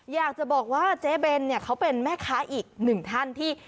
อยากจะบอกว่าเจ๊เบนเนี่ยเขาเป็นแม่ค้าอีกหนึ่งท่านที่